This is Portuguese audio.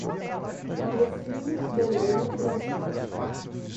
Audecino Moreira Brasil